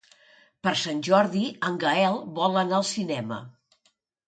Per Sant Jordi en Gaël vol anar al cinema.